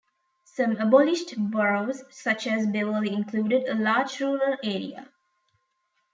Some abolished boroughs such as Beverley included a large rural area.